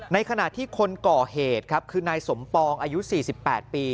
ในขณะที่คนก่อเหตุครับคือนายสมปองอายุ๔๘ปี